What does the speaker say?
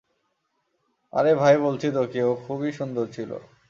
আরে ভাই বলছি তোকে, ও খুবই সুন্দর ছিল।